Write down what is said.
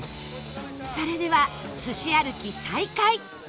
それではすし歩き再開